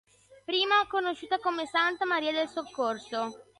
Prima conosciuta come Santa Maria del Soccorso.